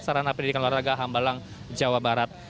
sarana pendidikan luar raga hambalang jawa barat